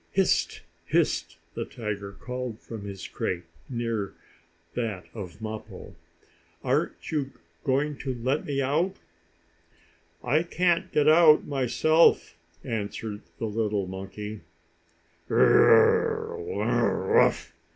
"Hist! Hist!" the tiger called, from his crate, near that of Mappo. "Aren't you going to let me out?" "I can't get out myself," answered the little monkey. "Bur r r r r!